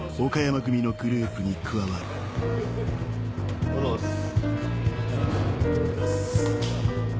おはようございます。